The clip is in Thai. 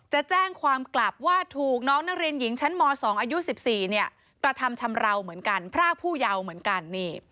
จะแจ้งความกลับว่าถูกน้องนักเรียนหญิงชั้นม๒อายุ๑๔กระทำชำราวเหมือนกันพรากผู้เยาว์เหมือนกัน